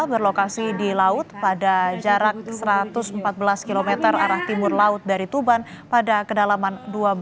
berlokasi di laut pada jarak satu ratus empat belas km arah timur laut dari tuban pada kedalaman dua belas